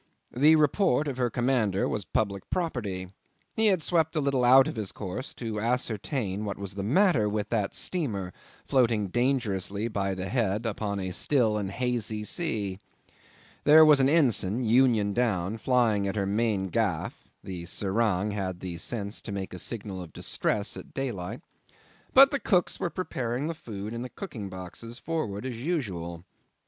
The report of her commander was public property. He had swept a little out of his course to ascertain what was the matter with that steamer floating dangerously by the head upon a still and hazy sea. There was an ensign, union down, flying at her main gaff (the serang had the sense to make a signal of distress at daylight); but the cooks were preparing the food in the cooking boxes forward as usual.